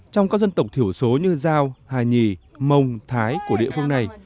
trong các dân tộc thiểu số như giao hà nhì mông thái của địa phương này